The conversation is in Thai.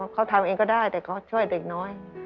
เขาทำเองก็ได้แต่เขาช่วยเด็กน้อย